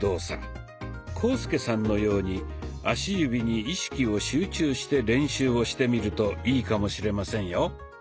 浩介さんのように足指に意識を集中して練習をしてみるといいかもしれませんよ。